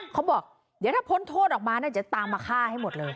เขาบอกเดี๋ยวถ้าพ้นโทษออกมาเดี๋ยวตามมาฆ่าให้หมดเลย